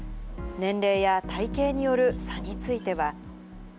年齢や体型による差については。